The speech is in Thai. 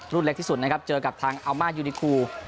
เล็กที่สุดนะครับเจอกับทางอามายูนิคู